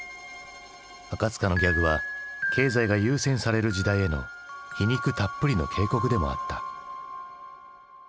赤塚のギャグは経済が優先される時代への皮肉たっぷりの警告でもあった。